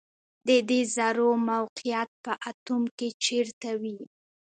د دې ذرو موقعیت په اتوم کې چیرته وي